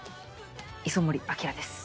磯森晶です。